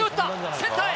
センターへ！